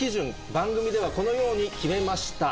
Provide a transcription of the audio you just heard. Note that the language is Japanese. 番組ではこのように決めました。